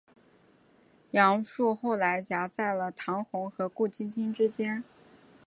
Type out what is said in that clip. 杨树后来夹在了唐红和顾菁菁之间。